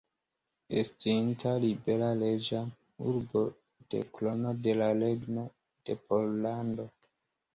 Estinta libera reĝa urbo de Krono de la Regno de Pollando.